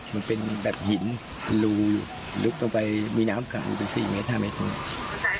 มันเป็นแบบหินลูลุกลงไปมีน้ำขายมาสี่เมตร